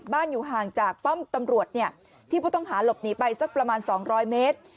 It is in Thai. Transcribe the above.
บ้านอยู่ห่างจากป้อมตำรวจเนี่ยที่ผู้ต้องหาหลบหนีไปสักประมาณสองร้อยเมตร